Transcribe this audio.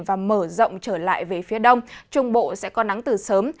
và mở rộng trở lại về phía đông trung bộ sẽ có nắng từ sớm